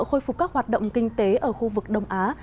khôi phục các hoạt động kinh tế ở khu vực đông á